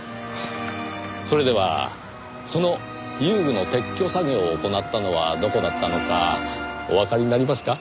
それではその遊具の撤去作業を行ったのはどこだったのかおわかりになりますか？